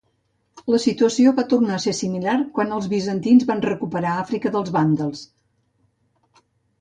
La situació va tornar a ser similar quan els bizantins van recuperar Àfrica dels vàndals.